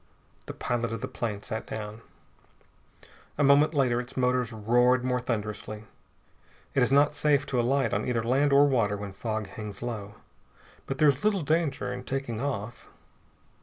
The pilot of the plane sat down. A moment later its motors roared more thunderously. It is not safe to alight on either land or water when fog hangs low, but there is little danger in taking off.